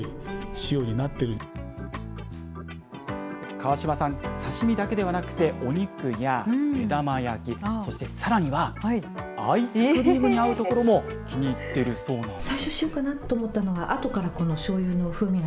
川島さん、刺身だけではなくて、お肉や目玉焼き、そしてさらには、アイスクリームに合うところも気に入っているそうなんです。